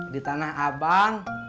di tanah abang